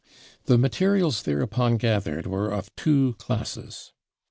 The materials thereupon gathered were of two classes.